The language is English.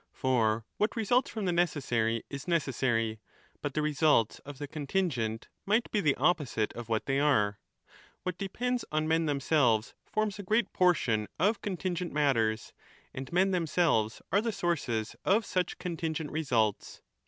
For what results from the necessary is necessary ; but the results of the contingent might be the opposite of what they are ; what depends on men themselves forms a great portion of contingent matters, and <men themselves are the sources of such contingent resultsT?